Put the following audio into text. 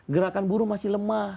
gerakan buruh masih lemah